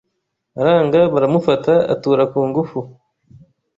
aranga baramufata atura kungufu